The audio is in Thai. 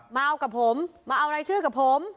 มาเอากับผมมาเอารายชื่อกับผม